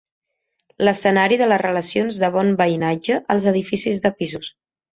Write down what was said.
L'escenari de les relacions de bon veïnatge als edificis de pisos.